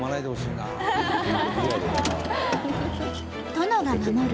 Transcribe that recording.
殿が守る